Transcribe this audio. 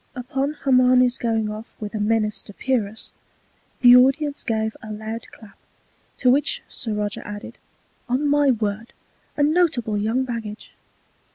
Upon Hermione's going off with a Menace to Pyrrhus, the Audience gave a loud Clap; to which Sir Roger added, On my Word, a notable young Baggage!